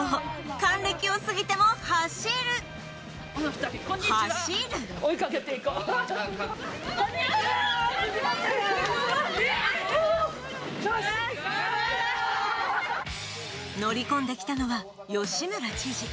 還暦を過ぎても走る、走る乗り込んできたのは、吉村知事。